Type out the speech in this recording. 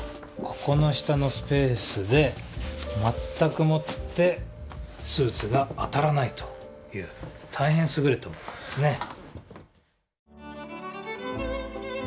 ここの下のスペースで全くもってスーツが当たらないという大変優れたものですね。